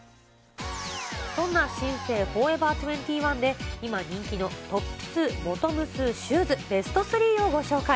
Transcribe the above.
そんな新生フォーエバー２１で今人気のトップス、ボトムス、シューズ、ベスト３をご紹介。